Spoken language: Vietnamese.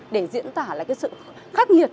để diễn tả lại cái sự khắc nghiệt